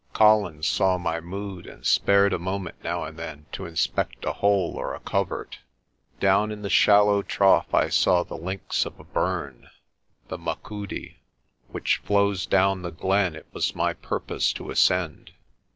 Colin saw my mood, and spared a moment now and then to inspect a hole or a covert. Down in the shallow trough I saw the links of a burn, the Machudi, which flows down the glen it was my purpose to ascend.